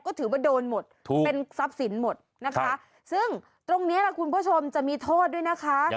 ก็ถือว่าโดนหมดเป็นทรัพย์สินหมดนะคะซึ่งตรงนี้ล่ะคุณผู้ชมจะมีโทษด้วยนะคะ